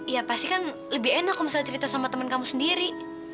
ya pasti kan lebih enak kalau misalnya cerita sama temen kamu sendiri